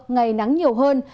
ngày nắng nhiều hơn